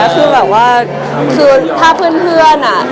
คือแบบว่าคือถ้าเพื่อนอ่ะ